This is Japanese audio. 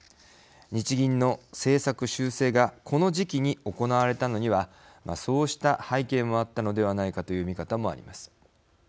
日銀の政策修正がこの時期に行われたのにはそうした背景もあったのではないかという見方もあります。